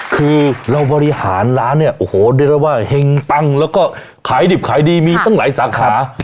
คือเราบริหารร้านเนี่ยโอ้โหเรียกได้ว่าเฮงปังแล้วก็ขายดิบขายดีมีตั้งหลายสาขา